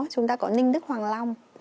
chúng ta có ninh đức hoàng long